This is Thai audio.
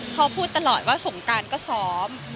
พอพูดตลอดว่าสงการก็ซ้อม